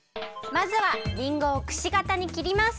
まずはりんごをくしがたにきります。